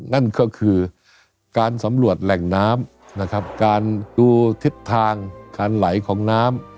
นั่นก็คือการสำรวจแหล่งน้ำนะครับการดูทิศทางการไหลของน้ำ